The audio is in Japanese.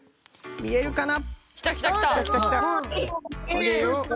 見えるかな？